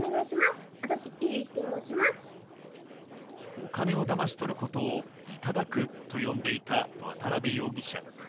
お金をだまし取ることを頂くと呼んでいた渡辺容疑者。